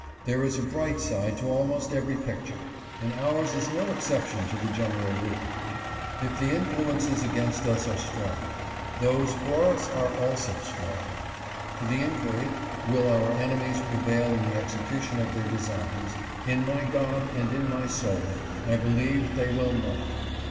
There is a bright side to almost every picture, and ours is no exception to the general rule. If the influences against us are strong, those for us are also strong. To the inquiry, will our enemies prevail in the execu tion of their designs — in my God, and in my soul, I believe they will not.